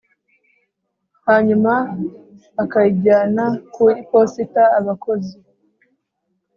hanyuma akayijyana ku iposita. abakozi